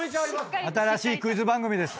新しいクイズ番組です。